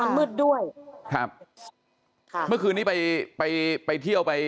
มืดด้วยครับค่ะเมื่อคืนนี้ไปไปเที่ยวไป